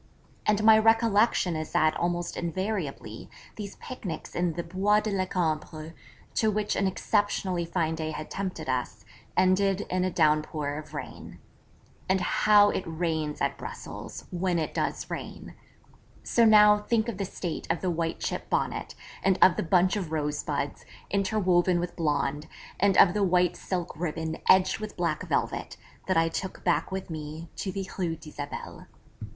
And my recollection is that almost invariably these picnics in the Bois de la Cambre, to which an exceptionally fine day had tempted us, ended in a downpour of rain. And how it rains at Brussels, when it does rain! So now, think of the state of the white chip Bonnet, and of the bunch of rosebuds, interwoven with blonde, and of the white silk ribbon edged with black velvet, that I took back with me to the Rue d'Isabelle.